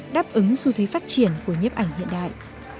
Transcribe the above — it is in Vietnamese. đáp ứng xu thế phát triển của nhiếp ảnh hiện đại